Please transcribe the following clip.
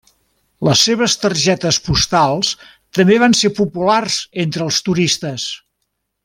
Les seves targetes postals també van ser populars entre els turistes.